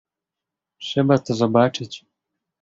"Trzeba to zobaczyć."